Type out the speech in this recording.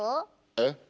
えっ？